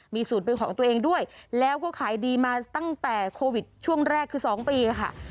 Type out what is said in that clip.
มีสูตรเป็นของตัวเองด้วยแล้วก็ขายดีมาตั้งแต่โควิดช่วงแรกคือ๒ปีค่ะ